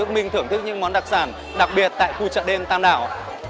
hãy cùng mình thưởng thức những món đặc sản đặc biệt tại khu chợ đêm tam đảo